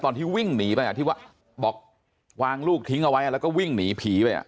ตอนที่วิ่งหนีไปอ่ะที่ว่าบอกวางลูกทิ้งเอาไว้แล้วก็วิ่งหนีผีไปอ่ะ